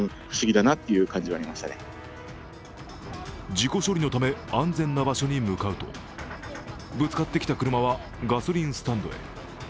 事故処理のため、安全な場所に向かうとぶつかってきた車はガソリンスタンドへ。